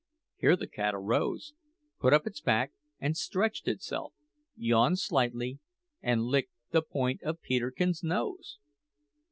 Here the cat arose, put up its back and stretched itself, yawned slightly, and licked the point of Peterkin's nose!